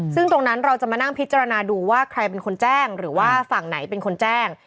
ซึ่งตรงนั้นเราจะมานั่งพิจารณาดูว่าใครเป็นคนแจ้งหรือว่าฝั่งไหนเป็นคนแจ้ง